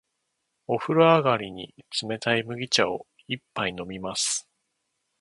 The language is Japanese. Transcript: お風呂上がりに、冷たい麦茶を一杯飲みます。